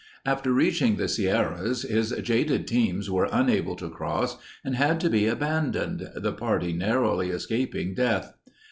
After reaching the Sierras, his jaded teams were unable to cross and had to be abandoned, the party narrowly escaping death.